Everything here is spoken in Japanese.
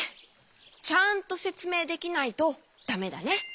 ちゃんとせつめいできないとだめだね。